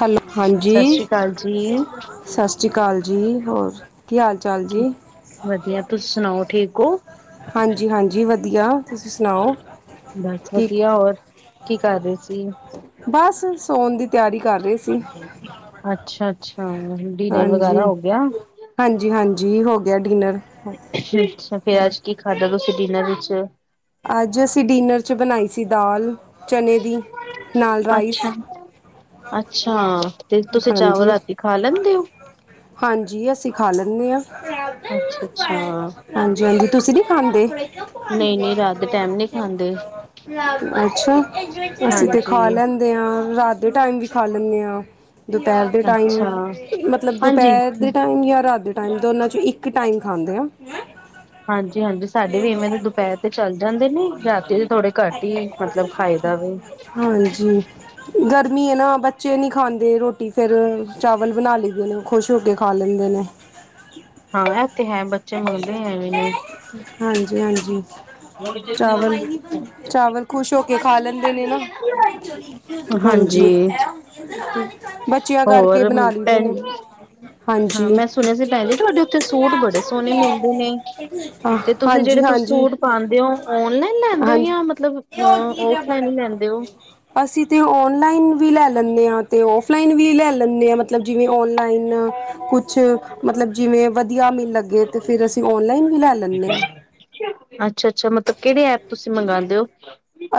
Hello ਹਾਂਜੀ ਸਤਿ ਸ੍ਰੀ ਅਕਾਲ ਜੀ। ਸਤਿ ਸ਼੍ਰੀ ਅਕਾਲ ਜੀ ਹੋਰ ਕੀ ਹਾਲ ਚਾਲ ਜੀ ਵਧੀਆ ਤੁਸੀਂ ਸੁਣਾਓ ਠੀਕ ਹੋ ਹਾਂਜੀ ਹਾਂਜੀ ਵਧੀਆ ਤੁਸੀਂ ਸੁਣਾਓ ਬਸ ਠੀਕ ਵਧੀਆ ਹੋਰ ਕੀ ਕਰਦੇਹੇ ਸੀ ਬਸ ਸੋਣ ਦੀ ਤਿਆਰੀ ਕਰ ਰਹੇ ਸੀ ਅੱਛਾ ਅੱਛਾ ਡਿਨਰ ਹਾਂਜੀ ਵਗੈਰਾ ਹੋ ਗਿਆ ਹਾਂਜੀ ਹਾਂਜੀ ਹੋ ਗਿਆ ਡਿਨਰ ਅੱਛਾ ਫੇਰ ਅੱਜ ਕੀ ਖਾਧਾ ਤੁਸੀਂ ਡਿਨਰ ਵਿੱਚ ਅੱਜ ਅਸੀਂ ਡਿਨਰ 'ਚ ਬਣਾਈ ਸੀ ਦਾਲ ਚਣੇ ਦੀ ਨਾਲ ਰਾਈਸ। ਅੱਛਾ ਅੱਛਾ, ਤੇ ਤੁਸੀਂ ਚਾਵਲ ਹਾਂਜੀ ਰਾਤੀ ਖਾ ਲੈਂਦੇ ਓ। ਹਾਂਜੀ, ਅਸੀਂ ਖਾ ਲੈਣੇ ਆ। ਅੱਛਾ ਅੱਛਾ ਹਾਂਜੀ ਹਾਂਜੀ, ਤੁਸੀਂ ਨੀ ਖਾਂਦੇ। ਨਹੀਂ ਨਹੀਂ ਰਾਤ ਦੇ ਟਾਈਮ ਨਹੀਂ ਖਾਂਦੇ। ਅੱਛਾ ਅਸੀਂ ਤੇ ਹਾਂਜੀ ਖਾ ਲੈਣੇ, ਦੇ ਆ ਰਾਤ ਦੇ ਟਾਈਮ ਵੀ ਖਾ ਲੈਂਦੇ ਹਾਂ ਦੁਪਹਿਰ ਦੇ ਅੱਛਾ ਟਾਈਮ ਮਤਲਬ ਹਾਂਜੀ। ਦੁਪਹਿਰ ਦੇ ਟਾਈਮ ਜਾਂ ਰਾਤ ਦੇ ਟਾਈਮ ਦੋਨਾਂ 'ਚੋਂ ਇੱਕ ਟਾਈਮ ਖਾਂਦੇ ਆ ਹਾਂਜੀ ਹਾਂਜੀ ਸਾਡੇ ਵੀ ਇਵੇਂ ਦੇ ਦੁਪਹਿਰ ਤੇ ਚੱਲ ਜਾਂਦੇ ਨੇ ਰਾਤੀ ਦੇ ਥੋੜੇ ਘੱਟ ਹੀ ਮਤਲਬ ਖਾਇ ਦਾ ਵੀ। ਹਾਂਜੀ, ਗਰਮੀ ਐ ਨਾ ਬੱਚੇ ਨੀ ਖਾਂਦੇ ਰੋਟੀ ਫੇਰ ਚਾਵਲ ਬਣਾ ਲਈਏ ਨੇ। ਖੁਸ਼ ਹੋ ਕੇ ਖਾ ਲੈਂਦੇ ਨੇ। ਹਾਂ, ਇਹ ਤੇ ਹੈ ਬੱਚੇ ਮੰਗਦੇ ਐ ਵੇਲੇ। ਹਾਂਜੀ ਹਾਂਜੀ ਚਾਵਲ ਚਾਵਲ ਖ਼ੁਸ਼ ਹੋ ਕੇ ਖਾ ਲੈਂਦੇ ਨੇ ਨਾ। ਹਾਂਜੀ, ਬੱਚਿਆਂ ਕਰਕੇ ਹੋਰ ਬਣਾ ਲਈ ਦੇ ਭੈਣ ਨੇ। ਹਾਂ ਹਾਂਜੀ ਮੈਂ ਸੁਣਿਆ ਸੀ ਭੈਣ ਜੀ ਤੁਹਾਡੇ ਉੱਥੇ ਸੂਟ ਬੜੇ ਸੋਹਣੇ ਮਿਲਦੇ ਨੇ। ਤੇ ਤੁਸੀਂ ਹਾਂਜੀ ਜਿਹੜੇ ਹਾਂਜੀ ਤੁ ਹਾਂਜੀ ਸੂਟ ਪਾਂਦੇ ਓ। ਔਨਲਾਈਨ ਲੈਂਦੇ ਹੋ ਜਾਂ ਮਤਲਬ ਅ ਔਫਲਾਈਨ ਹੀ ਲੈਂਦੇ ਹੋ। ਅਸੀਂ ਤੇ ਔਨਲਾਈਨ ਵੀ ਲੈ ਲੈਣੇ ਆ ਤੇ ਮਤਲਬ ਔਫਲਾਈਨ ਵੀ ਲੈ ਲੈਣੇ ਆ। ਮਤਲਬ ਜਿਵੇਂ ਔਨਲਾਈਨ ਕੁਛ ਮਤਲਬ ਜਿਵੇਂ ਵਧੀਆ ਮਿਲ ਲੱਗੇ ਤਾਂ ਫਿਰ ਅਸੀਂ ਔਨਲਾਈਨ ਵੀ ਲੈ ਲੈਂਦੇ ਹਾਂ ਅੱਛਾ ਅੱਛਾ, ਮਤਲਬ ਕਿਹੜੇ ਐਪ ਤੁਸੀਂ ਮੰਗਾਦੇ ਓ।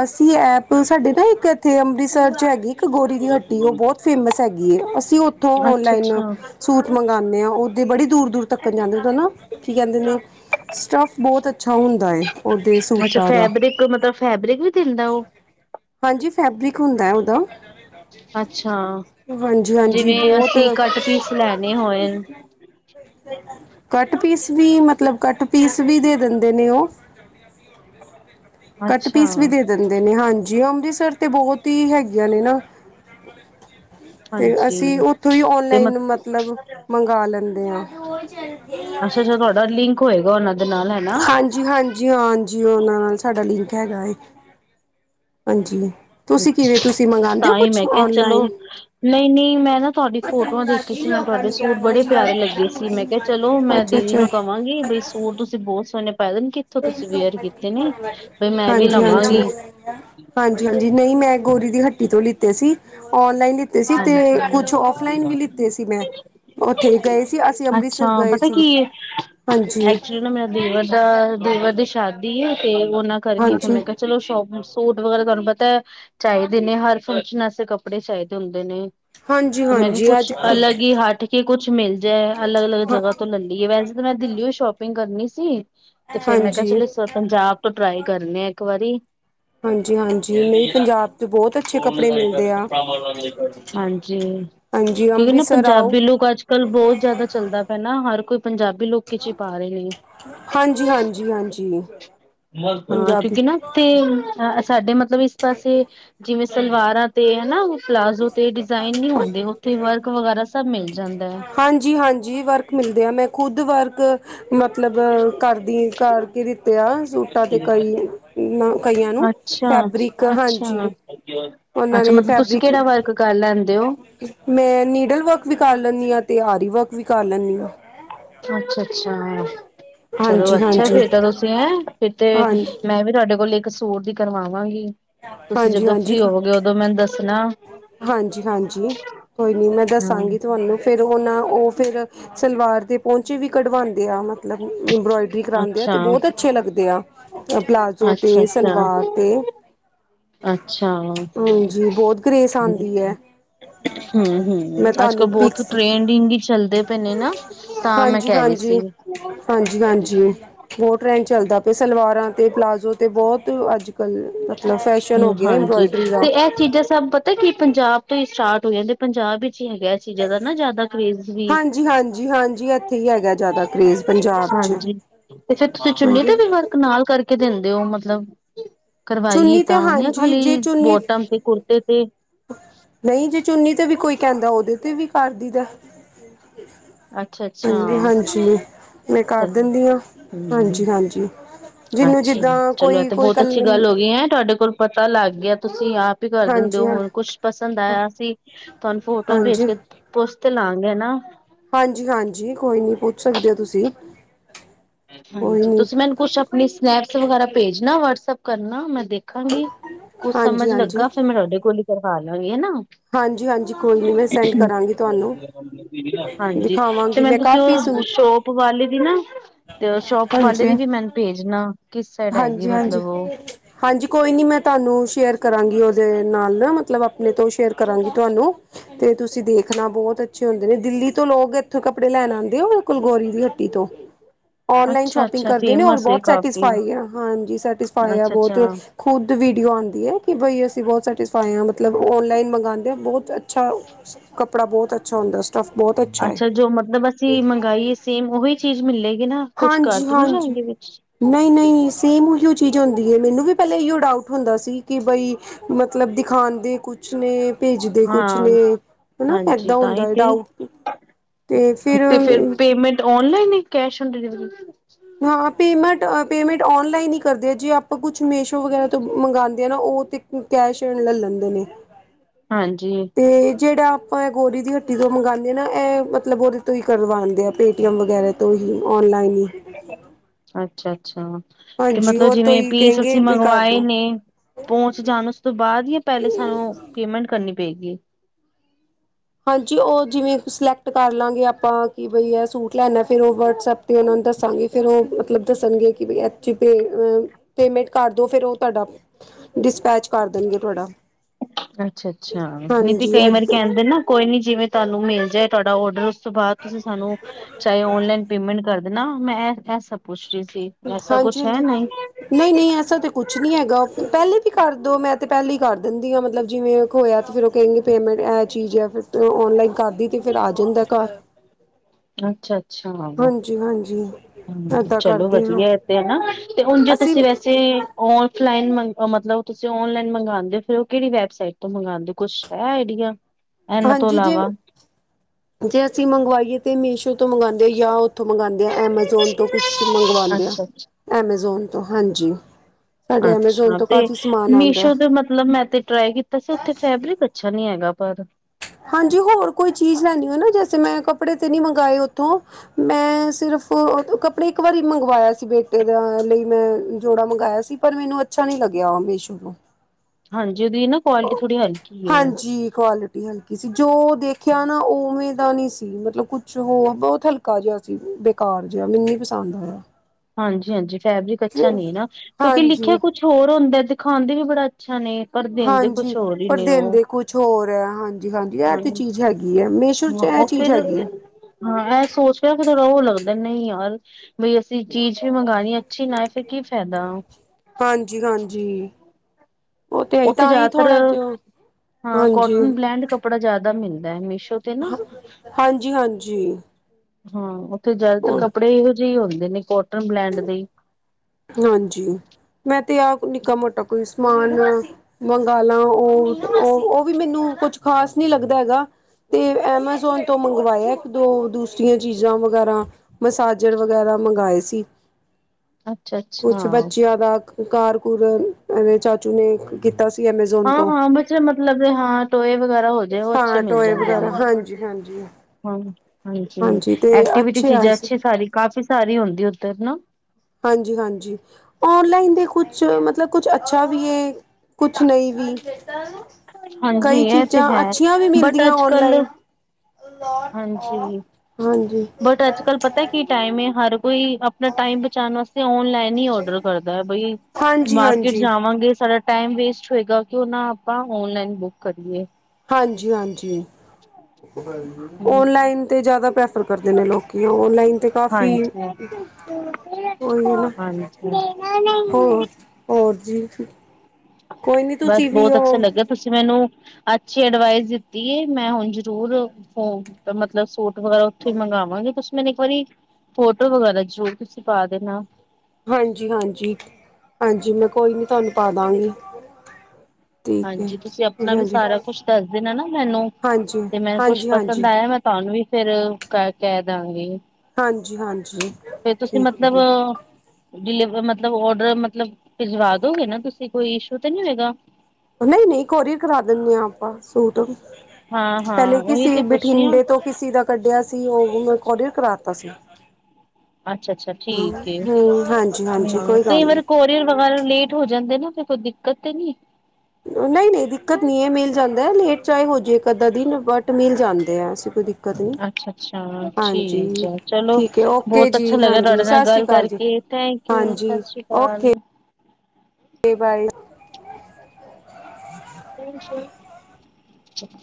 ਅਸੀਂ ਐਪ ਸਾਡੇ ਨਾ ਇੱਕ ਇੱਥੇ ਅੰਮ੍ਰਿਤਸਰ ਚ ਹੈਗੀ ਇੱਕ ਗੋਰੀ ਦੀ ਹੱਟੀ ਉਹ ਬਹੁਤ ਫੇਮਸ ਹੈਗੀ ਅਸੀਂ ਉੱਥੋਂ ਅੱਛਾ ਔਨਲਾਈਨ ਅੱਛਾ ਸੂਟ ਮਗਾਨੇ ਆ ਉਹ ਤੇ ਬੜੀ ਦੂਰ ਦੂਰ ਤੱਕ ਜਾਂਦੇ ਹਾ ਕੀ ਕਹਿੰਦੇ ਨੇ ਸਟੱਫ ਬਹੁਤ ਅੱਛਾ ਹੁੰਦਾ ਐ ਉਹਦੇ ਅੱਛਾ ਸੂਟਾਂ ਦਾ ਫੈਬਰਿਕ ਮਤਲਬ ਫੈਬਰਿਕ ਵਿੱਚ ਹਾਂਜੀ, ਫੈਬਰਿਕ ਹੁੰਦਾ ਉਹਦਾ ਅੱਛਾ, ਹਾਂਜੀ ਹਾਂਜੀ ਜਿਵੇਂ ਬਹੁਤ ਅਸੀਂ ਕੱਟ ਪੀਸ ਲੈਣੇ ਹੋਏ ਕੱਟ ਪੀਸ ਵੀ ਮਤਲਬ ਕੱਟ ਪੀਸ ਵੀ ਦੇ ਦਿੰਦੇ ਨੇ ਓ। ਕੱਟ ਅੱਛਾ। ਪੀਸ ਵੀ ਦੇ ਦਿੰਦੇ ਨੇ ਹਾਂਜੀ ਅੰਮ੍ਰਿਤਸਰ ਤੇ ਬਹੁਤ ਹੀ ਹੈਗੀਆਂ ਨੇ ਨਾ। ਤੇ ਹਾਂਜੀ ਅਸੀਂ ਉੱਥੋਂ ਹੀ ਤੇ ਮ ਔਨਲਾਈਨ ਮਤਲਬ ਮੰਗਵਾ ਲੈਂਦੇ ਆ। ਅੱਛਾ ਅੱਛਾ, ਤੁਹਾਡਾ ਲਿੰਕ ਹੋਏਗਾ ਉਹਨਾ ਦੇ ਨਾਲ ਹਨਾ ਜੀ ਹਾਂਜੀ, ਹਾਂਜੀ ਉਹਨਾਂ ਨਾਲ ਸਾਡਾ ਲਿੰਕ ਹੈਗਾ ਹਾਂਜੀ। ਤੁਸੀਂ ਕਿਵੇਂ ਤੁਸੀਂ ਮੰਗਾਂਦੇ ਹੋ ਤਾਂ ਹੀ ਕੁਛ ਮੈਂ ਕਿਹਾ ਚਲੋ ਓਨਲਾਈਨ। ਨਹੀਂ ਨਹੀਂ ਮੈਂ ਨਾ ਤੁਹਾਡੀ ਫੋਟੋਆਂ ਦੇਖੀ ਸੀ ਮੈਂ ਤੁਹਾਡੇ ਸੂਟ ਬੜੇ ਪਿਆਰੇ ਲੱਗੇ ਸੀ ਮੈਂ ਕਿਹਾ ਚਲੋ ਮੈਂ ਅੱਛਾ ਦੀਦੀ ਅੱਛਾ, ਨੂੰ ਕਵਾਂਗੀ ਬਈ ਸੂਟ ਤੁਸੀਂ ਬਹੁਤ ਸੋਹਣੇ ਪਾਏ ਦੇ ਨੇ ਕਿੱਥੋਂ ਤੁਸੀਂ ਵੇਅਰ ਕੀਤੇ ਨੇ ਬਈ ਮੈਂ ਵੀ ਹਾਂਜੀ ਹਾਂਜੀ, ਲਵਾਂਗੀ ਹਾਂਜੀ ਹਾਂਜੀ, ਨਹੀਂ ਮੈਂ ਗੋਰੀ ਦੀ ਹੱਟੀ ਤੋਂ ਲਿੱਤੇ ਸੀ ਔਨਲਾਈਨ ਲ, ਤੇ ਸੀ ਤੇ ਹਾਂਜੀ ਕੁਛ ਆਫਲਾਈਨ ਵੀ ਲਿੱਤੇ ਸੀ ਮੈਂ। ਉੱਥੇ ਗਏ ਸੀ ਅਸੀਂ ਅੰਮ੍ਰਿਤਸਰ ਅੱਛਾ ਗਏ ਪਤਾ ਸੀ ਕੀ ਏ ਹਾਂਜੀ। ਐਕਚੁਲੀ ਨਾ ਮੇਰਾ ਦੇਵਰ ਦਾ ਦੇਵਰ ਦੀ ਸ਼ਾਦੀ ਆ ਤੇ ਉਹਨਾਂ ਕਰਕੇ ਤੇ ਹਾਂਜੀ ਮੈਂ ਕ ਚਲੋ ਸ਼ੋਪ ਸੂਟ ਵਗੈਰਾ ਤੁਹਾਨੂੰ ਪਤਾ ਚਾਹੀਦੇ ਨੇ ਹਰ ਫੰਕਸ਼ਨ ਵਾਸਤੇ ਕੱੜੇ ਚਾਹੀਦੇ ਹੁੰਦੇ ਨੇ। ਤੇ ਮੈਂ ਕਿਹਾ ਹਾਂਜੀ-ਹਾਂਜੀ ਕੁਛ ਅੱਜ ਅਲੱਗ ਹੀ ਹੱਟ ਕੇ ਕੁੱਛ ਮਿਲ ਜਾਏ ਅਲਗ ਅਲੱਗ ਹਾਂ ਜਗ੍ਹਾ ਤੋਂ ਲੈਦੀ ਏ ਵੈਸੇ। ਜ ਮੈਂ ਦਿੱਲੀ ਓ ਸ਼ੋਪਿੰਗ ਕਰਨੀ ਸੀ ਤੇ ਫੇਰ ਮੈਂ ਕਿਹਾ ਹਾਂਜੀ। ਚਲੋ ਪੰਜਾਬ ਟਰਾਈ ਕਰਨੇ ਆ ਇੱਕ ਵਾਰੀ ਹਾਂਜੀ- ਹਾਂਜੀ ਨਹੀਂ ਪੰਜਾਬ ਚ' ਬਹੁਤ ਅੱਛੇ ਕੱਪੜੇ ਮਿਲਦੇ ਆ। ਹਾਂਜੀ। ਹਾਂਜੀ ਕਿਉਂਕਿ ਨਾ ਅੰਮ੍ਰਿਤਸਰ ਆਓ। ਪੰਜਾਬੀ ਲੋਕ ਅੱਜ ਕੱਲ ਬਹੁਤ ਜਿਆਦਾ ਚੱਲਦਾ ਪੈਆ। ਹਰ ਕੋਈ ਪੰਜਾਬੀ ਲੋਕੀ 'ਚ ਹੀ ਪਾ ਰਹੇ ਨੇ। ਹਾਂਜੀ- ਹਾਂਜੀ -ਹਾਂਜੀ। ਹਾਂ, ਕਿਉਂਕਿ ਨਾ ਤੇ ਸਾਡੇ ਮਤਲਬ ਇਸ ਪਾਸੇ। ਜਿਵੇਂ ਸਲਵਾਰਾਂ ਤੇ ਹਨਾ। ਪਲਾਜ਼ੋ ਤੇ ਡਿਜ਼ਾਇਨ ਨ ਹੁੰਦੇ। ਉੱਥੇ ਵਰਕ ਵਗੈਰਾ ਸਭ ਮਿਲ ਜਾਂਦਾ ਹੈ। ਹਾਂਜੀ ਹਾਂਜੀ, ਵਰਕ ਮਿਲਦੇ ਆ ਮੈਂ ਖੁਦ ਵਰਕ ਮਤਲਬ ਕਰਦੀ ਕਰਕੇ। ਸੂਟਾਂ ਤੇ ਕਈ ਕਈਆਂ ਨੂੰ ਅੱਛਾ ਫੈਬਰਿਕ ਹਾਂਜੀ। ਅੱਛਾ ਉਹਨਾਂ ਅੱਛਾ, ਨੇ ਮਤਲਬ ਤੁਸੀਂ ਫੈਬਰਿਕ ਕਿਹੜਾ ਵਰਕ ਕਰ ਲੈਂਦੇ ਹੋ। ਮੈਂ ਨੀਡਲ ਵਰਕ ਵੀ ਕਰ ਲੈਂਦੀ ਆ ਤੇ ਆਰੀ ਵਰਕ ਵੀ ਕਰ ਲੈਂਦੀ ਆ। ਅੱਛਾ- ਅੱਛਾ। ਚਲੋ ਅੱਛਾ, ਹਾਂਜੀ-ਹਾਂਜੀ, ਫੇਰ ਤਾਂ ਤੁਸੀਂ ਹੈਂ ਫਿਰ ਤੇ ਹਾਂਜੀ, ਮੈਂ ਵੀ ਤੁਹਾਡੇ ਕੋਲ ਇੱਕ ਹੋਰ ਵੀ ਕਰਵਾਵਾਂਗੀ। ਤੁਸੀਂ ਜਦੋਂ ਹਾਂਜੀ-ਹਾਂਜੀ ਫ੍ਰਰੀ ਹੋਵੋਗੇ ਉਦੋਂ ਮੈਨੂੰ ਦੱਸਣਾ। ਹਾਂਜੀ- ਹਾਂਜੀ ਕੋਈ ਨੀ, ਮੈਂ ਹਾਂ ਦੱਸਾਂਗੀ ਤੁਹਾਨੂੰ। ਫਿਰ ਉਹ ਨਾ ਉਹ ਫਿਰ ਸਲਵਾਰ ਦੇ ਪਹੁੰਚੇ ਵੀ ਕਢਵਾਉਂਦੇ ਆ। ਮਤਲਬ ਇੰਬਰੋਇਡਰੀ। ਕਰਾਂਦੇ ਆ। ਅੱਛਾ ਤੇ ਬਹੁਤ ਅੱਛੇ ਲੱਗਦੇ ਆ ਪਲਾਜ਼ੋ ਅੱਛਾ ਤੇ, ਅੱਛਾ ਸਲਵਾਰ ਤੇ। ਅੱਛਾ ਹਾਂਜੀ, ਬਹੁਤ ਗਰੇੇਸ ਆਉਂਦੀ ਹੈ। ਹਮ- ਹਮ ਮੈਂ ਅੱਜ ਤੁਹਾਨੂੰ ਕੱਲ੍ਹ ਬਹੁਤ ਟ੍ਰੈਂਡਿੰ ਹੀ ਚੱਲਦੇ ਪਏ ਨੇ ਨਾ। ਤਾਂ ਮੈਂ ਹਾਂਜੀ- ਕਹਿ ਰਹੀ ਹਾਂਜੀ। ਸੀ ਹਾਂਜੀ -ਹਾਂਜੀ ਬਹੁਤ ਟ੍ਰੈਂਡ ਚੱਲਦਾ ਪਏ ਸਲਵਾਰਾਂ ਤੇ ਪਲਾਜ਼ੋ ਤੇ ਬਹੁਤ ਅੱਜ। ਕ ਮਤਲਬ ਫੈਸ਼ਨ ਹੋ ਹਮ ਗਿਆ ਹਾਂਜੀ ਇੰਬਰੋਇਡਰੀ ਤੇ ਦਾ। ਇਹ ਚੀਜ਼ਾਂ ਸਭ ਪਤਾ ਕੀ ਪੰਜਾਬ ਤੋਂ ਹੀ ਸਟਾਰਟ ਹੋ ਜਾਂਦੇ ਪੰਜਾਬ ਵਿੱਚ ਹੀ ਹੈਗਾ। ਚੀਜ਼ਾਂ ਦਾ ਨਾ ਜ਼ਿਆਦਾ ਕਰੇਜ਼ ਵੀ ਹਾਂਜੀ- ਹਾਂਜੀ- ਹਾਂਜੀ ਇੱਥੇ ਹੀ ਹੈਗਾ ਜ਼ਿਆਦਾ ਕਰੇਜ਼ ਪੰਜਾਬ 'ਚ। ਹਾਂਜੀ ਤੇ ਫੇਰ ਤੁਸੀਂ ਚੁੰਨੀ ਦੇ ਹਾਂਜੀ ਵੀ ਵਰਕ ਨਾਲ ਕਰਕੇ ਦਿੰਦੇ ਹੋ ਮਤਲਬ। ਕਰਵਾਈਏ ਚੁੰਨੀ ਤੇ ਤਾਂ। ਕੇ ਹਾਂਜੀ ਜੇ ਖਾਲੀ ਚੁੰਨੀ ਬੋਟਮ ਤੇ ਕੁੜਤੇ ਤੇ। ਨਹੀਂ ਜੇ ਚੁੰਨੀ ਤੇ ਵੀ ਕੋਈ ਕਹਿੰਦਾ ਉਹਦੇ ਤੇ ਵੀ ਕਰਦੀ ਦਾ। ਅੱਛਾ ਅੱਛਾ ਹਾਂਜੀ- ਹਾਂਜੀ। ਮੈਂ ਕਰ ਸਹੀ ਦਿੰਦੀ ਹਾਂ, ਹਮ ਹਾਂਜੀ- ਹਾਂਜੀ। ਜਿਹਨੂੰ ਅੱਛਾ ਜੀ ਜਿੱਦਾਂ ਚਲੋ, ਇਹ ਕੋਈ ਤੇ ਕੋਈ ਬਹੁਤ ਕੱਲ ਅੱਛੀ ਗੱਲ ਹੋ ਗਈ ਹੈ। ਤੁਹਾਡੇ ਕੋਲ ਪਤਾ ਲੱਗ ਗਿਆ ਤੁਸੀਂ ਆਪ ਕਰ ਦਿੰਦੇ ਹਾਂਜੀ ਹੋ। ਹਾਂ ਹੁਣ ਕੁਛ ਪਸੰਦ ਆਇਆ ਅਸੀਂ ਤੁਹਾਨੂੰ ਫੋਟੋਆਂ ਭੇਜ ਹਾਂਜੀ ਕੇ ਪੁਛ ਤੇ ਲਾਂਗੇ ਨਾ। ਹਾਂਜੀ -ਹਾਂਜੀ ਕੋਈ ਨਹੀਂ ਪੁੱਛ ਸਕਦੇ ਹੋ ਤੁਸੀਂ। ਕੋਈ ਹਾਂਜੀ, ਨਹੀਂ ਤੁਸੀਂ ਮੈਨੂੰ ਕੁਛ ਆਪਣੀ ਸਨੈਪ ਵਗੈਰਾ ਭੇਜਣਾ ਵਟਸਐਪ ਕਰਨਾ। ਮੈਂ ਦੇਖ ਦੇਖਾਂਗੀ ਕੁੱਛ ਸਮਝ ਹਾਂਜੀ ਹਾਂਜੀ ਲੱਗਾ। ਫੇਰ ਮੈਂ ਤੁਹਾਡੇ ਕੋਲ ਹੀ ਕਰਵਾ ਲਵਗੀ ਹਨਾ। ਹਾਂਜੀ ਹਾਂਜੀ ਕੋਈ ਨਹੀਂ ਮੈਂ ਸੈਂਡ ਕਰਾਂਗੀ ਤੁਹਾਨੂੰ ਹਾਂਜੀ। ਤੇ ਦਿਖਾਵਾਂਗੀ ਮੈ ਮੈਂ ਤੁਸੀਂ ਕਾਫੀ ਉਹ ਸੂਟ ਸ਼ੋਪ ਸ਼ਪ ਵਾਲੇ ਦੀ ਨਾ। ਤੇ ਸ਼ੋਪ ਵਾਲੇ ਹਾਂਜੀ ਦੀ ਵੀ ਮੈਨੂੰ ਭੇਜਣਾ। ਕਿਸ ਸਾਈਡ ਹੈਗੀ ਹਾਂਜੀ ਮਤਲਬ ਹਾਂਜੀ ਉਹ ਹਾਂਜੀ, ਕੋਈ ਨੀ, ਮੈਂ ਤੁਹਾਨੂੰ ਸ਼ੇਅਰ ਕਰਾਂਗੀ ਉਹਦੇ ਨਾਲ ਮਤਲਬ ਆਪਣੇ ਤੋਂ ਸ਼ੇਅਰ ਕਰਾਂਗੀ ਤੁਹਾਨੂੰ। ਤੇ ਤੁਸੀਂ ਦੇਖਣਾ ਬਹੁਤ ਅੱਛੇ ਹੁੰਦੇ ਨੇ ਦਿੱਲੀ ਤੋਂ ਲੋਕ ਇੱਥੋਂ ਕੱਪੜੇ ਲੈਣ ਆਉਂਦੇ ਹੋ ਕੁਲਗੋਰੀ ਦੀ ਹੱਟੀ ਤੋਂ। [inaudible] । ਆਨਲਾਈਨ ਅੱਛਾ ਸ਼ੋਪਿੰਗ ਅੱਛਾ ਕਰਦੇ ਨੇ ਔਰ ਫੇਮਸ ਏ ਬਹੁਤ ਕਾਫੀ ਸੈਟਸਫਾਈਢ ਆ ਹੁਣ ਬਹੁਤ ਸੈਟਸਫਾੲਈਢ ਅੱਛਾ ਅੱਛਾ ਬਹੁਤ। ਖੁਦ ਵੀਡੀਓ ਆਉਂਦੀ ਹੈ ਕਿ ਬਈ ਅਸੀਂ ਬਹੁਤ ਸੈਟਿਸਫਾਈ ਹਾਂ ਮਤਲਬ ਓਨਲਾਈਨ। ਗਾਉਂਦੇ ਆ ਬਹੁਤ ਅੱਛਾ। ਕੱਪੜਾ ਬਹੁਤ ਅੱਛਾ ਹੁੰਦਾ। ਬਹੁਤ ਅੱਛਾ ਜੋ ਮਤਲਬ ਅਸੀਂ ਮੰਗਾਈਏ ਸੇਮ ਉਹੀ ਚੀਜ਼ ਮਿਲੇਗੀ ਨਾ। ਕੁਛ ਕਰ ਤੇ ਨਹੀਂ ਜਾਏਗੇ ਵਿੱਚ ਨਹੀਂ -ਨਹੀਂ ਸੇਮ ਉਹੀਓ ਚੀਜ਼ ਹੁੰਦੀ ਹੈ। ਮੈਨੂੰ ਵੀ ਪਹਿਲੇ ਇਹੀਓ ਡਾਊਟ ਹੁੰਦਾ ਸੀ ਕਿ ਬਈ ਮਤਲਬ ਦਿਖਾਉਦੇ ਕੁਛ ਨੇ। ਭੇਜਦੇ ਕੁਛ ਹਾਂ ਨੇ। ਹਨਾ ਹਾਂਜੀ ਏਦਾਂ ਤਾਂ ਹੀ ਹੁੰਦਾ ਹੈ ਤੇ ਡਾਊਟ। ਤੇ ਫਿਰ ਤੇ ਪੇਮੈਂਟ ਔਨਲਾਈਨ ਹੀ ਕੈਸ਼ ਔਨ ਡਿਲੀਵਰੀ। ਹਾਂ। ਪੇਮੈਂਟ, ਪੇਮੈਂਟ ਔਨਲਾਈਨ ਹੀ ਕਰਦੇ ਆ ਜੇ ਆਪਾਂ ਕੁਛ ਮੇਸ਼ੋ ਵਗੈਰਾ ਤੋਂ ਮੰਗਵਾਉਂਦੇ ਹਾਂ ਨਾ ਉਹ ਤਾਂ ਕੈਸ਼ ਹੋਣ ਲੈ ਲੈਂਦੇ ਨੇ। ਹਾਂਜੀ। ਅਤੇ ਜਿਹੜਾ ਆਪਾਂ ਇਹ ਗੋਰੀ ਦੀ ਹੱਟੀ ਤੋਂ ਮੰਗਵਾਉਦੇ ਹਾਂ ਨਾ ਇਹ ਮਤਲਬ ਉਹਦੇ ਤੋਂ ਹੀ ਕਰਵਾਉਂਦੇ ਆ। ਪੇਟੀਐੱਮ ਵਗੈਰਾ ਤੋਂ ਹੀ ਔਨਲਾਈਨ ਹੀ। ਅੱਛਾ ਅੱਛਾ, ਤੇ ਹਾਂਜੀ ਮਤਲਬ ਔਰ ਤੋਂ ਜਿਵੇਂ ਹੀ ਪੀਸ ਕਹੇਂਗੇ ਅਸੀਂ ਵੀ ਕਰ ਮੰਗਵਾਏ ਦੋ ਨੇ। ਪਹੁੰਚ ਜਾਣ ਉਸ ਤੋਂ ਬਾਅਦ ਹੀ ਪਹਿਲੇ ਸਾਨੂੰ ਪੇਮੈਂਟ ਕਰਨੀ ਪਏਗੀ। ਹਾਂਜੀ, ਓ ਜਿਵੇਂ ਸਿਲੈਕਟ ਕਰ ਲਵਾਂਗੇ ਆਪਾਂ ਕਿ ਬਈ ਹੈ ਸੂਟ ਲੈਂਦਾ ਫਿਰ ਉਹ ਵਟਸਐਪ ਤੇ ਉਹਨਾ ਨੂੰ ਦੱਸਾਂਗੇ ਫੇਰ ਉਹ ਮਤਲਬ ਦੱਸਣਗੇ ਕਿ ਇਥ ਭੇ ਅ ਪੇਮੈਂਟ ਕਰਦੋ ਫਿਰ ਉਹ ਤੁਹਾਡਾ ਡਿਸਪੈਚ ਕਰ ਦੇਣਗੇ ਤੁਹਾਡਾ। ਅੱਛਾ ਅੱਛਾ, ਨੀ ਤੀ ਹਾਂਜੀ ਕਈ ਵਾਰੀ ਇੱਦਾਂ ਕਹਿੰਦੇ ਨਾ ਕੋਈ ਨੀ ਜਿਵੇਂ ਤੁਹਾਨੂੰ ਮਿਲ ਜਾਏ ਤੁਹਾਡਾ ਔਡਰ ਉਸ ਤੋਂ ਬਾਅਦ ਤੁਸੀਂ ਸਾਨੂੰ ਚਾਹੇ ਓਨਲਾਈਨ ਪੇਮੈਂਟ ਕਰ ਦੇਣਾ ਮੈਂ ਇਹ ਸਭ ਪੁੱਛ ਰਹੀ ਸੀ। ਐਸਾ ਹਾਂਜੀ ਕੁਛ ਹੈ ਹਾਂਜੀ, ਨਹੀਂ ਨਹੀਂ ਨਹੀਂ ਐਸਾ ਕੁਛ ਨਹੀਂੀ ਹੈਗਾ ਪਹਿਲੇ ਵੀ ਕਰ ਦਿਉ ਮੈਂ ਤਾਂ ਪਹਿਲੇ ਈ ਕਰ ਦਿੰਦੀ ਆ ਮਤਲਬ ਜਿਵੇਂ ਹੋਇਆ ਫਿਰ ਉਹ ਕਹਿੰਗੇ ਪੇਮੈਂਟ ਚੀਜ਼ ਐ ਫਿਰ ਔਨਲਾਈਨ ਕਰਦੀ ਤੇ ਫਿਰ ਆ ਜਾਂਦਾ ਘਰ। ਅੱਛਾ, ਅੱਛਾ ਹੂੰ, ਹਾਂਜੀ ਹਾਂਜੀ ਇੱਦਾਂ ਚਲੋ ਕਰਦੇ ਹਾਂ ਵਧੀਆ ਤੇ ਹਨਾ ਤੇ ਹੁਣ ਜੇ ਅਸੀਂ ਤੁਸੀਂ ਵੈਸੇ ਵੈਸੇ ਆਫਲਾਈਨ ਮਤਲਬ ਤੁਸੀਂ ਓਨਲਾਈਨ ਮੰਗਉਂਦੇ ਹੋ ਫਿਰ ਹੋ ਕਿਹੜੀ ਵੈਬਸਾਈਟ ਤੋਂ ਮੰਗਾਂਦੇ ਓ ਕੁੱਛ ਹੈ ਆਈ ਡੀਆਂ। ਹਾਂਜੀ, ਜੇ ਜੇ ਅਸੀਂ ਮੰਗਵਾਈਏ। ਤੇ ਮੀਸ਼ੋ ਤੋਂ ਮੰਗਾਂਦੇ ਆ ਜਾਂ ਉੱਥੋਂ ਮੰਗਾਂਦੇ ਆ ਐਮਾਜ਼ੋਨ ਤੋਂ ਕੁਛ ਮੰਗਾਂਦੇ ਆ। ਐਮਾਜ਼ੋਨ ਤੋਂ ਹਾਂਜੀ। ਸਾਡੇ ਐਮਾਜ਼ੋਨ ਅੱਛਾ, ਤੋਂ ਤੇ ਕਾਫੀ ਸਮਾਨ ਆਉਂਦਾ। ਮੀਸ਼ੋ ਦੇ ਮਤਲਬ ਮੈਂ ਤੇ ਟਰਾਈ ਕੀਤਾ ਸੀ ਉੱਥੇ ਫੈਬਰਿਕ ਅੱਛਾ ਨਹੀਂ ਹੈਗਾ ਪਰ। ਹਾਂਜੀ, ਹੋਰ ਕੋਈ ਚੀਜ਼ ਲੈਂਦੇ ਹੋ ਨਾ ਜੈਸੇ ਮੈਂ ਕੱਪੜੇ ਤੇ ਨਹੀਂ ਮੰਗਵਾਏ ਉੱਥੋਂ ਮੈਂ ਸਿਰਫ਼ ਕੱਪੜੇ ਇੱਕ ਵਾਰੀ ਮੰਗਵਾਇਆ ਸੀ ਬੇਟੇ ਦਾ ਲਈ ਮੈਂ ਜਿਹੜਾ ਮੰਗਾਇਆ ਸੀ। ਪਰ ਮੈਨੂੰ ਅੱਛਾ ਨਹੀਂ ਲੱਗਿਆ ਉਹ ਮੀਸ਼ੋ ਤੋਂ। ਹਾਂਜੀ, ਉਹਦੀ ਨਾ ਕੁਆਲਿਟੀ ਥੋੜ੍ਹੀ ਹਲਕੀ ਏ। ਜੀ ਕਵਾਲਿਟੀ। ਹਲਕੀ ਸੀ ਜੋ ਦੇਖਿਆ ਨਾ ਉਵੇਂ ਦਾ ਨਹੀਂ ਸੀ, ਮਤਲਬ ਕੁਛ ਹੋਰ ਬਹੁਤ ਹਲਕੀ ਹਲਕਾ ਜਾ ਸੀਂ ਬੇਕਾਰ ਜਿਹਾ, ਮੈਨੂੰ ਨਹੀਂ ਪਸੰਦ ਹੋਇਆ। ਹਾਂਜੀ-ਹਾਂਜੀ, ਫੈਬਰਿਕ ਅੱਛਾ ਨਹੀਂ ਏ ਨਾ ਕਿਉਂਕਿ ਲਿਖਿਆ ਹਾਂਜੀ ਕੁਛ ਕੁਛ ਹੋਰ ਹੁੰਦਾ, ਦਿਖਾਂਦੇ ਵੀ ਬੜਾ ਅੱਛਾ ਨੇ ਪਰ ਦਿੰਦੇ ਹਾਂਜੀ ਕੁਛ ਹੋਰ ਹੀ ਪਰ ਨੇ ਉਹ ਦੇਂਦੇ ਕੁਛ ਹੋਰ ਐ, ਹਾਂਜੀ-ਹਾਂਜੀ, ਇਹ ਤੇ ਹਾਂਜੀ ਚੀਜ਼ ਹੈਗੀ ਏ ਮੀਸ਼ੋ ਚ ਹਾਂ ਇਹ ਉਹ ਚੀਜ਼ ਫਿਰ ਹੈਗੀ ਏ। ਹਾਂ, ਇਹ ਸੋਚ ਕੇ ਕਿ ਥੋੜ੍ਹਾ ਉਹ ਲੱਗਦਾ ਨਹੀਂ ਯਾਰ ਬਈ ਅਸੀਂ ਚੀਜ਼ ਵੀ ਮੰਗਾਣੀ ਅੱਛੀ ਨਾ ਆਏ ਫਿਰ ਕੀ ਫਾਇਦਾ। ਹਾਂਜੀ-ਹਾਂਜੀ। ਉੱਥੇ ਜਿਆਦਾਤਰ ਜਿਹਾ ਹਾਂ ਹਾਂਜੀ ਕੋਟਨ ਬਲੈਂਡ ਕਪ ਕੱਪੜਾ ਜਿਆਦਾ ਮਿਲਦਾ ਮੀਸ਼ੋ ਤੇ ਨਾ, ਹਾਂਜੀ ਹਾਂਜੀ ਹਾਂ। ਉਥੇ ਜ਼ਿਆਦਾਤਰ ਉਹ ਕੱਪੜੇ ਇਹੋ ਜਿਹੇ ਹੁੰਦੇ ਨੇ ਕੋਟਨ ਬਲੈਂਡ ਦੇ ਈ। ਹਾਂਜੀ, ਮੈਂ ਤੇ ਆ ਨਿੱਕਾ ਮੋਟਾ ਕੋਈ ਸਮਾਨ ਮੰਗਾਲਾ ਉਹ ਉਹ ਵੀ ਮੈਨੂੰ ਕੁਛ ਖ਼ਾਸ ਨੀ ਲੱਗਦਾ ਹੈਗਾ। ਤੇ ਐਮਾਜ਼ੋਨ ਤੋਂ ਮੰਗਵਾਇਆ ਇੱਕ ਦੋ ਦੂਸਰੀਆਂ ਚੀਜ਼ਾਂ ਵਗੈਰਾ ਮਸਾਜਰ ਵਗੈਰਾ ਮੰਗਵਾਏ ਸੀ। ਅੱਛਾ। ਕੁਛ ਅੱਛਾ ਬੱਚਿਆਂ ਦਾ ਘਰ ਘੂਰ ਇਹਦੇ ਚਾਚੂ ਨੇ ਕੀਤਾ ਸੀ ਐਮਾਜ਼ੋਨ ਤੋਂ, ਹਾਂ-ਹਾਂ ਬੱਚੇ ਮਤਲਬ ਹਾਂ ਟੋਏ ਵਗੈਰਾ ਹੋ ਜਾਏ ਉਹ ਅੱਛੇ ਹਾਂ ਮਿਲ ਟੋਏ ਜਾਂਦੇ ਵਗੈਰਾ, ਨੇ। ਹਾਂਜੀ। ਜੀ ਹਾਂਜੀ। ਹਾਂ, ਹਾਂਜੀ ਤੇ ਐਕਟੀਵਿਟੀ ਅੱਛੇ ਆਏ ਚੀਜ਼ਾਂ ਸੀ ਅੱਛੀ ਸਾਰੀ ਕਾਫੀ ਸਾਰੀ ਹੁੰਦੀ ਉੱਧਰ ਨਾ। ਹਾਂਜੀ-ਹਾਂਜੀ, ਔਨਲਾਈਨ ਤੇ ਕੁਛ ਮਤਲਬ ਕੁਛ ਅੱਛਾ ਵੀ ਏ। ਕੁਛ ਨੀ ਵੀ ਹਾਂਜੀ ਕਈ ਇਹ ਤੇ ਚੀਜ਼ਾਂ ਹੈ ਅੱਛੀਆਂ ਵੀ ਬਟ ਮਿਲਦੀਆਂ ਅੱਜ ਕੱਲ ਔਨਲਾਈਨ। ਹਾਂਜੀ [unintelligible] ਹਾਂਜੀ। ਟਾਈਮੇ ਹਰ ਕੋਈ ਆਪਣਾ ਟਾਈਮ ਬਚਾਣ ਵਾਸਤੇ ਔਨਲਾਈਨ ਹੀ ਔਡਰ ਕਰਦਾ ਹੈ ਬਈ। ਹਾਂਜੀ ਮਾਰਕੀਟ ਹਾਂਜੀ ਜਾਵਾਂਗੇ, ਸਾਡਾ ਟਾਈਮ ਵੇਸਟ ਹੋਏਗਾ ਕਿਉ ਨਾ ਆਪਾਂ ਔਨਲਾਈਨ, ਬੁੱਕ ਕਰੀਏ। ਹਾਂਜੀ-ਹਾਂਜੀ। [inaudible] [inaudible] [unintelligible] ਹੂੰ ਔਨਲਾਈਨ ਤੇ ਜ਼ਿਆਦਾ ਪ੍ਰੈਫਰ ਕਰਦੇ ਨੇ ਲੋਕੀ ਔਨਲਾਈਨ ਤੇ ਕਾਫੀ ਉਹੀ ਨਾ ਹਾਂਜੀ-ਹਾਂਜੀ। ਹੋਰ। ਹੋਰ ਜੀ, ਕੋਈ ਨਹੀਂ ਬਸ ਤੁਸੀਂ ਵੀ ਬਹੁਤ ਅੱਛਾ ਉਹ ਲੱਗਿਆ ਤੁਸੀਂ ਮੈਨੂੰ, ਅੱਛੀ ਅਡਵਾਈਸ ਦਿੱਤੀ ਏ, ਮੈਂ ਹੁਣ ਜਰੂਰ ਫੋਮ ਮਤਲਬ ਸ ਮੈਂ ਵੀ ਉੱਥੇ ਹੀ ਮੰਗਾਵਾਂਗੀ, ਤੁਸੀਂ ਮੈਨੂੰ ਇੱਕ ਵਾਰੀ ਫੋਟੋ ਵਗੈਰਾ, ਜ਼ਰੂਰ ਤੁਸੀਂ ਪਾ ਦੇਣਾ। ਹਾਂਜੀ-ਹਾਂਜੀ-ਹਾਂਜੀ ਮੈਂ ਕੋਈ ਨਹੀਂ, ਤੁਹਾਨੂੰ ਪਾ ਦਾਂਗੀ ਠੀਕ ਹੈ ਹਾਂਜੀ, ਤੁਸੀਂ ਆਪਣਾ ਵੀ, ਹਾਂਜੀ ਹਾਂਜੀ ਸਾਰਾ ਕੁਛ ਦੱਸ ਦੇਣਾ ਨਾ ਮੈਨੂੰ ਹਾਂਜੀ ਤੇ ਹਾਂਜੀ ਕੁਛ ਹਾਂਜੀ ਪਸੰਦ ਆਇਆ ਤੁਹਾਨੂੰ ਵੀ, ਫਿਰ ਕਹਿ ਦਾਂਗੀ। ਹਾਂਜੀ-ਹਾਂਜੀ। ਫੇਰ ਤੁਸੀਂ ਮਤਲਬ ਡਿਲੀਵਰੀ ਮਤਲਬ ਔਡਰ ਮਤਲਬ ਭਿਜਵਾ ਦੋਗੇ ਨਾ, ਤੁਸੀਂ ਕੋਈ ਇਸ਼ੂ ਤੇ ਨਹੀਂ ਹੋਏਗਾ। ਨਹੀਂ ਨਹੀਂ ਕੋਰੀਅਰ ਕਰਾ ਦਿੰਨੇ ਹਾਂ ਆਪਾਂ, ਸੂਟ ਹਾਂ ਹਾਂ ਪਹਿਲੇ ਉਹੀ ਤੇ ਕਿਸੀ ਪੁੱਛ ਰਹੀ ਹਾਂ ਬਠਿੰਡੇ ਤੋਂ ਕਿਸੀ ਦਾ ਕੱਢਿਆ ਸੀ, ਉਹ ਮੈਂ ਕੋਰੀਅਰ ਕਰਾ ਤਾ ਸੀ। ਅੱਛਾ ਅੱਛਾ ਹੁ ਠੀਕ ਏ ਹੁ ਹਾਂਜੀ--ਹਾਂਜੀ ਕੋਈ ਗੱਲ ਨਹੀਂ। ਫਿਰ ਵਗੈਰਾ ਲੇਟ ਹੋ ਜਾਂਦੇ, ਨਾ ਫਿਰ ਕੋਈ ਦਿੱਕਤ ਤੇ ਨਹੀਂ। ਨਹੀਂ-ਨਹੀਂ ਦਿੱਕਤ ਨਹੀਂ ਏ, ਮਿਲ ਜਾਂਦਾ ਲੇਟ ਚਾਹੇ ਹੋ ਜਾਏ, ਇੱਕ ਅੱਧਾ ਦਿਨ ਬਟ ਮਿਲ ਜਾਂਦੇ ਏ, ਐਸੀ ਕੋਈ ਦਿ [unintelligible] ਅੱਛਾ ਅੱਛਾ ਠੀਕ ਹਾਂਜੀ ਹੈ ਚਲੋ ਠੀਕ ਹੈ, ਓਕੇ ਬਹੁਤ ਜੀ ਅੱਛਾ ਲੱਗਿਆ ਹਾਂਜੀ ਤੁਹਾਡੇ ਨਾਲ ਸਤਿ ਸ੍ਰੀ ਗੱਲ ਅਕਾਲ ਜੀ। ਕਰਕੇ ਥੈਂਕ ਯੂ ਸਤਿ ਹਾਂਜੀ, ਸ਼੍ਰੀ ਓਕੇ। ਅਕਾਲ ਓਕੇ, ਬਾਏ। ਦੇਈ ਚਾਹ।